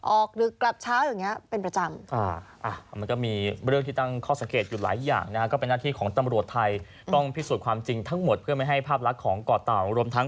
ออกหรือกลับเช้าอย่างเนี้ยเป็นประจำ